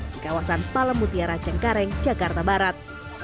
di kawasan palemutia racengkareng jakarta barat